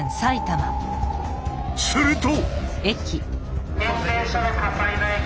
すると！